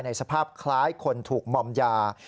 สภาพคล้ายคนถูกมอมยา